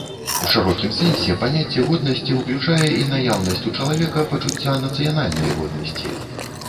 У шырокім сэнсе паняцце годнасці ўключае і наяўнасць у чалавека пачуцця нацыянальнай годнасці.